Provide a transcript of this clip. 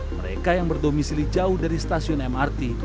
mereka yang berdomisili jauh dari stasiun mrt